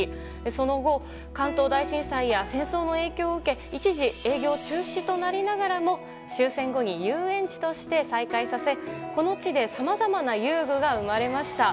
その後、関東大震災や戦争の影響を受け一時営業中止となりながらも終戦後に遊園地として再開させこの地でさまざまな遊具が生まれました。